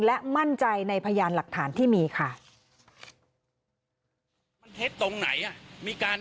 และมั่นใจในพยานหลักฐานที่มีค่ะ